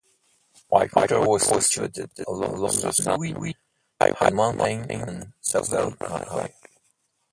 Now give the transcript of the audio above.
Whitewater was situated along the Saint Louis, Iron Mountain and Southern Railway.